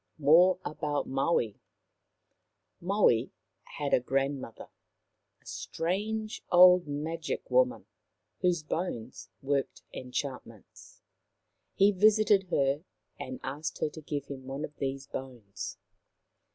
MORE ABOUT MAUI Maui had a grandmother, a strange old Magic woman, whose bones worked enchantments. He visited her and asked her to give him one of these bones.